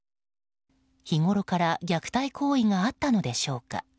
日ごろから虐待行為があったのでしょうか。